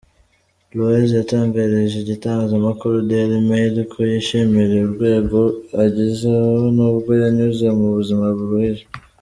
Loise yatangarije igitangazamakuru Dail Mail ko yishimira urwego ugezeho nubwo yanyuze mu buzima buruhije.